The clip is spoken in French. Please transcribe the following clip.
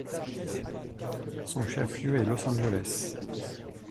Son chef-lieu est Los Angeles.